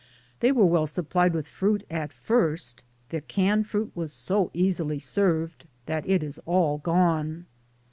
They were well supplied with fruit at first; the canned fruit was so easily served that it is all gone.